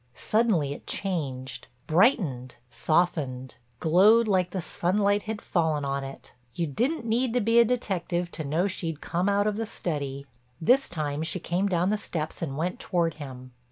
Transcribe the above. Suddenly it changed, brightened, softened, glowed like the sunlight had fallen on it—you didn't need to be a detective to know she'd come out of the study. This time she came down the steps and went toward him.